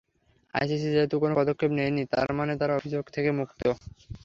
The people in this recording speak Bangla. আইসিসি যেহেতু কোনো পদক্ষেপ নেয়নি, তার মানে তারা অভিযোগ থেকে মুক্ত।